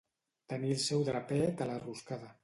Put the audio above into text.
Tenir el seu drapet a la roscada.